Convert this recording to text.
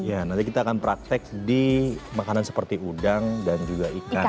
ya nanti kita akan praktek di makanan seperti udang dan juga ikan